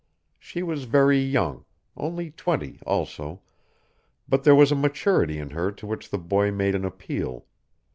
She was very young, only twenty also, but there was a maturity in her to which the boy made an appeal.